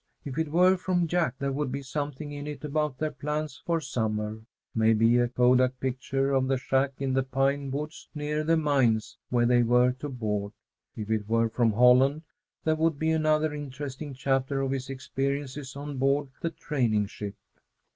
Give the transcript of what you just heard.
If it were from Jack, there would be something in it about their plans for the summer; maybe a kodak picture of the shack in the pine woods near the mines, where they were to board. If it were from Holland, there would be another interesting chapter of his experiences on board the training ship.